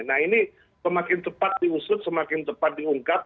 nah ini semakin cepat diusut semakin cepat diungkap